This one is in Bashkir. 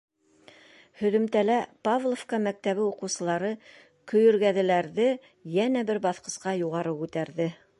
Һөҙөмтәлә Павловка мәктәбе уҡыусылары көйөргәҙеләрҙе йәнә бер баҫҡысҡа юғары күтәрҙе.